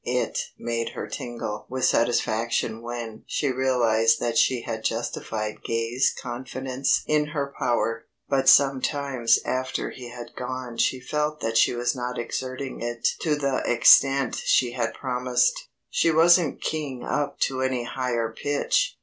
It made her tingle with satisfaction when she realized that she had justified Gay's confidence in her power, but sometimes after he had gone she felt that she was not exerting it to the extent she had promised. She wasn't "keying him up to any higher pitch."